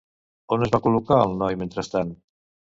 On es va col·locar el noi mentrestant?